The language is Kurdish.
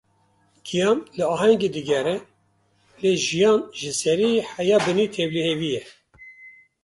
Giyan li ahengê digere, lê jiyan ji serî heya binî tevlihevî ye.